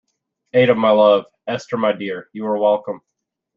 Ada, my love, Esther, my dear, you are welcome.